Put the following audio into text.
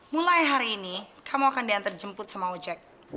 mulai hari ini kamu akan diantar jemput sama ojek